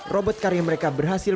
robot karya mereka berhasil